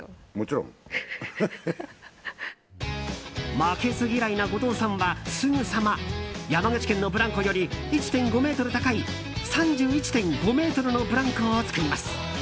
負けず嫌いな後藤さんはすぐさま山口県のブランコより１５ｍ高い３１．５ｍのブランコを作ります。